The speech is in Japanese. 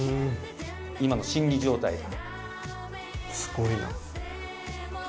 今の心理状態が。